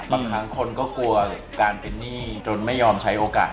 บางครั้งคนก็กลัวการเป็นหนี้จนไม่ยอมใช้โอกาส